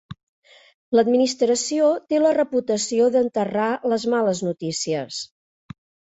L'administració té la reputació d'enterrar les males notícies.